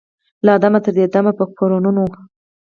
له آدمه تر دې دمه په قرنونو